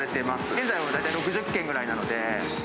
現在は大体６０軒ぐらいなので。